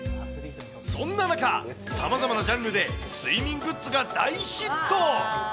そんな中、さまざまなジャンルで睡眠グッズが大ヒット。